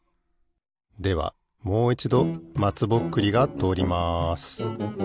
ではもういちどまつぼっくりがとおります。